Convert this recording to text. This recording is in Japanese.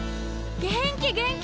元気元気！